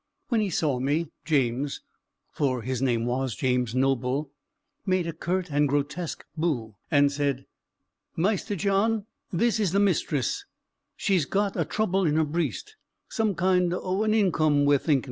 When he saw me, James (for his name was James Noble) made a curt and grotesque "boo," and said, "Maister John, this is the mistress; she's got a trouble in her breest some kind o' an income we're thinkin'."